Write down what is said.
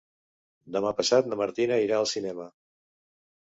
Demà passat na Martina irà al cinema.